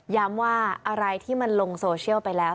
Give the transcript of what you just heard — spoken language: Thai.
ย้ำว่าอะไรที่มันลงเซ้าเชียลไปแล้ว